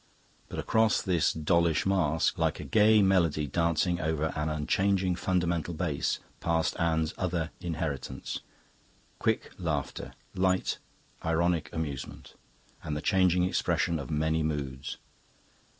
But across this dollish mask, like a gay melody dancing over an unchanging fundamental bass, passed Anne's other inheritance quick laughter, light ironic amusement, and the changing expressions of many moods.